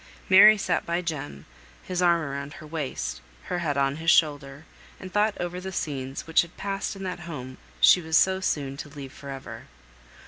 Mary sat by Jem, his arm round her waist, her head on his shoulder; and thought over the scenes which had passed in that home she was so soon to leave for ever.